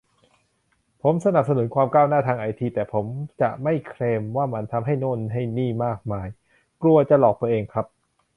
ผมสนับสนุนความก้าวหน้าทางไอที แต่ผมจะไม่เคลมว่ามันทำให้โน่นให้นี่มากมาย กลัวจะหลอกตัวเองครับ